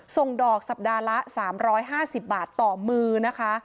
ส่งดอกสัปดาห์ละ๓๕๐บาทต่อมือนะคะ